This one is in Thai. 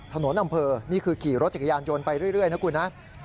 อำเภอนี่คือขี่รถจักรยานยนต์ไปเรื่อยนะคุณนะ